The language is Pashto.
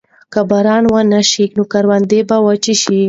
که باران ونه شي نو کروندې به وچې شي.